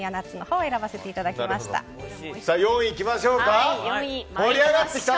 ４位にいきましょうか。